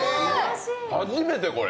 初めて、これ。